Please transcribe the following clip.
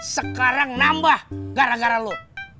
sekarang nambah gara gara lo